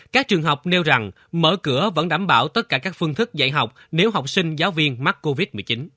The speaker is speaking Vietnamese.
các trường học nêu rằng mở cửa vẫn đảm bảo tất cả các phương thức dạy học nếu học sinh giáo viên mắc covid một mươi chín